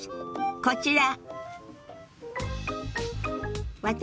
こちら。